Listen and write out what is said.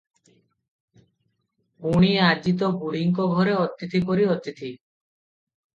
ପୁଣି ଆଜି ତ ବୁଢ଼ୀଙ୍କ ଘରେ ଅତିଥି ପରି ଅତିଥି ।-